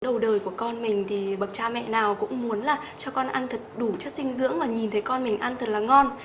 đầu đời của con mình thì bậc cha mẹ nào cũng muốn là cho con ăn thật đủ chất dinh dưỡng và nhìn thấy con mình ăn thật là ngon